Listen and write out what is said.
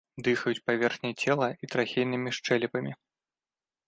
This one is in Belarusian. Дыхаюць паверхняй цела і трахейнымі шчэлепамі.